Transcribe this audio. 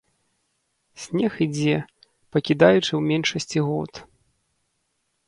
Снег ідзе, пакідаючы ў меншасці год.